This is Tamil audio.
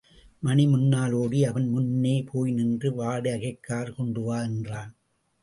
மணி முன்னால் ஓடி, அவன் முன்னே போய் நின்று வாடகைக்கார் கொண்டுவா என்றான்.